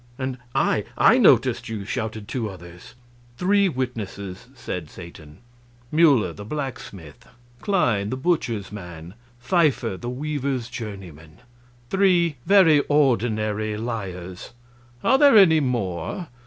"And I I noticed you!" shouted two others. "Three witnesses," said Satan: "Mueller, the blacksmith; Klein, the butcher's man; Pfeiffer, the weaver's journeyman. Three very ordinary liars. Are there any more?"